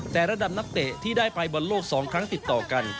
แต่ระดับนักเตะที่ได้ไปบอลโลก๒ครั้งติดต่อกัน